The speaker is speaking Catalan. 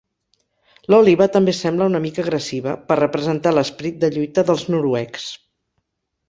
L'òliba també sembla una mica agressiva, per representar l'esperit de lluita dels noruecs.